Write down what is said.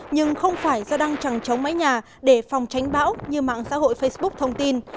nhưng không phải do đang trằng chống mái nhà để phòng tránh bão như mạng xã hội facebook thông tin